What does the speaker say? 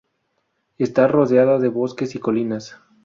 Está rodeado de bosques y colinas.